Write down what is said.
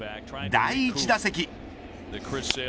第１打席。